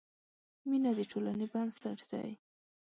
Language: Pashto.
مینه د ټولنې بنسټ دی.